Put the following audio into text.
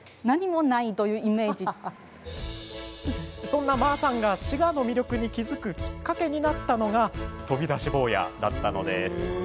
そんな馬さんが滋賀の魅力に気付くきっかけになったのが飛び出し坊やだったのです。